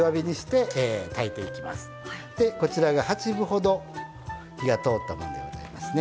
でこちらが八分ほど火が通ったもんでございますね。